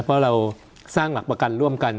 เพราะเราสร้างหลักประกันร่วมกัน